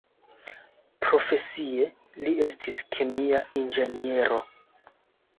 Profesie, li estis kemia inĝeniero.